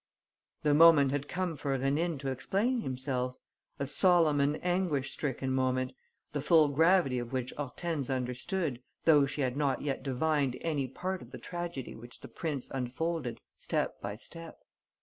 The moment had come for Rénine to explain himself, a solemn and anguish stricken moment, the full gravity of which Hortense understood, though she had not yet divined any part of the tragedy which the prince unfolded step by step."